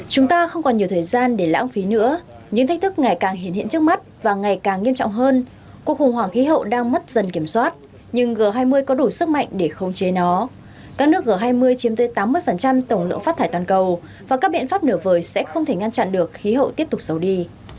chúng ta không còn nhiều thời gian để lãng phí nữa những thách thức ngày càng hiện hiện trước mắt và ngày càng nghiêm trọng hơn cuộc khủng hoảng khí hậu đang mất dần kiểm soát nhưng g hai mươi có đủ sức mạnh để không chế nó các nước g hai mươi chiếm tới tám mươi tổng lượng phát thải toàn cầu và các biện pháp nửa vời sẽ không thể ngăn chặn được khí hậu tiếp tục sầu đi